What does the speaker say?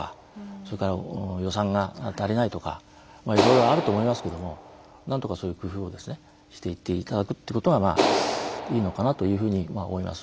それから予算が足りないとかいろいろあると思いますけどもなんとかそういう工夫をしていっていただくってことがいいのかなというふうに思います。